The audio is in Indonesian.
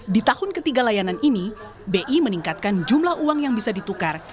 di tahun ketiga layanan ini bi meningkatkan jumlah uang yang bisa ditukar